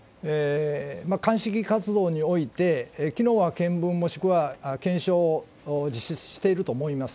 鑑識活動において、きのうは検分、もしくは検証を実施していると思います。